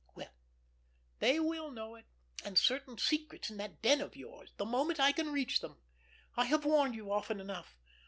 Well, they will know it, and certain secrets in that den of yours, the moment I can reach them. I have warned you often enough.